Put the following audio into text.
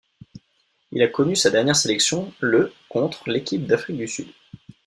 Il a connu sa dernière sélection le contre l'équipe d'Afrique du Sud.